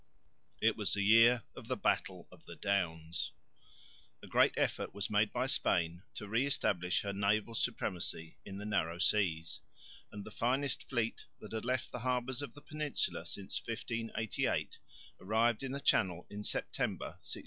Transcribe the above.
It was the year of the battle of the Downs. A great effort was made by Spain to re establish her naval supremacy in the narrow seas, and the finest fleet that had left the harbours of the peninsula since 1588 arrived in the Channel in September, 1639.